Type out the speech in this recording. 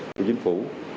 của chính phủ